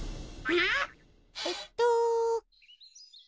あえっと。